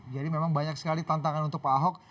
jadi memang banyak sekali tantangan untuk pak ahok